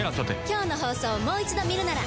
今日の放送をもう一度見るなら。